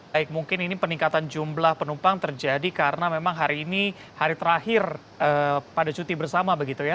baik mungkin ini peningkatan jumlah penumpang terjadi karena memang hari ini hari terakhir pada cuti bersama begitu ya